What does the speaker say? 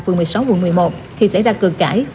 phường một mươi sáu quận một mươi một thì xảy ra cửa cãi